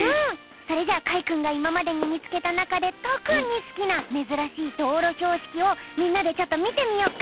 それじゃあかいくんがいままでにみつけたなかでとくにすきなめずらしいどうろひょうしきをみんなでちょっとみてみよっか。